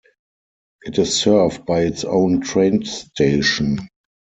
It is served by its own train station.